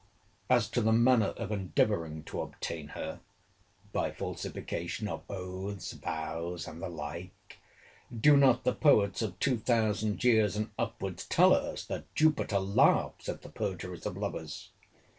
As to the manner of endeavouring to obtain her, by falsification of oaths, vows, and the like—do not the poets of two thousand years and upwards tell us, that Jupiter laughs at the perjuries of lovers?